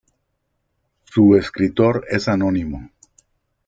Su escritor es anónimo.